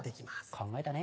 考えたね。